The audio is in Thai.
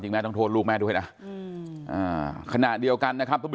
แม่ต้องโทษลูกแม่ด้วยนะขณะเดียวกันนะครับทุกผู้